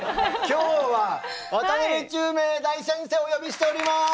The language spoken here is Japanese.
今日は渡辺宙明大先生をお呼びしております！